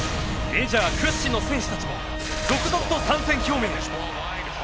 メジャー屈指の選手たちも続々と参戦表明！